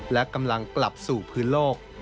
และกำลังกลับสู่พื้นโลก